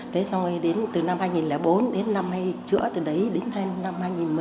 thế rồi đến từ năm hai nghìn bốn đến năm hay chữa từ đấy đến năm hai nghìn một mươi